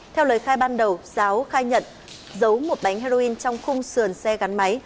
theo lời khai ban đầu giáo khai nhận giấu một bánh heroin trong khung sườn xe gắn máy